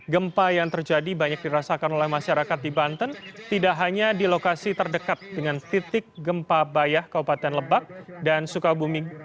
gempa yang terjadi banyak dirasakan oleh masyarakat di banten tidak hanya di lokasi terdekat dengan titik gempa bayah kabupaten lebak dan sukabumi